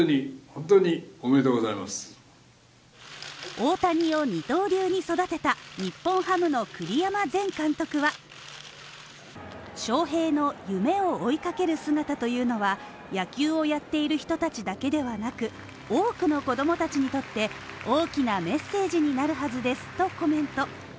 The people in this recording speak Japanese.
大谷を二刀流に育てた日本ハムの栗山前監督は翔平の夢を追いかける姿というのは野球をやっている人たちだけではなく、多くの子供たちにとって大きなメッセージになるはずですとコメント。